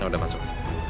nah udah masuk